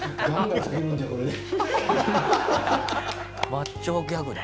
「マッチョギャグだ」